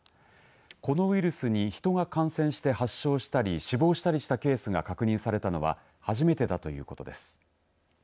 このウイルスに人が感染して発症したり死亡したりしたケースが確認されたのは初めてだということです。